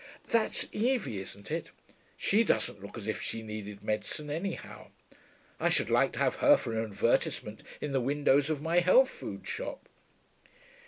That's Evie, isn't it? She doesn't look as if she needed medicine, anyhow. I should like to have her for an advertisement in the windows of my Health Food shop.'